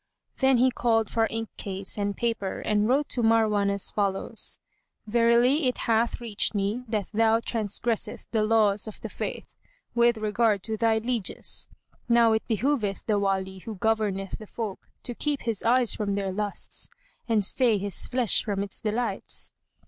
Then he called for inkcase and paper and wrote to Marwan as follows, "Verily it hath reached me that thou transgresseth the laws of the Faith with regard to thy lieges. Now it behoveth the Wali who governeth the folk to keep his eyes from their lusts and stay his flesh from its delights."